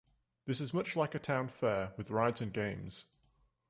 This is much like a town fair, with rides and games.